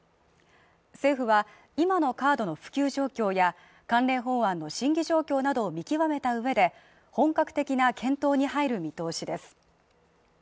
政府は今のカードの普及状況や関連法案の審議状況などを見極めた上で本格的な検討に入る見通しです